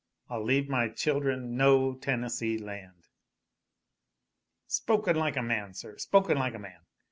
I'll leave my children no Tennessee Land!" "Spoken like a man, sir, spoken like a man!